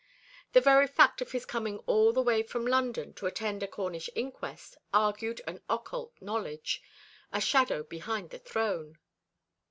The very fact of his coming all the way from London to attend a Cornish inquest argued an occult knowledge, a shadow behind the throne.